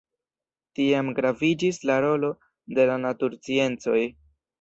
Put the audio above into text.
Tiam graviĝis la rolo de la natursciencoj.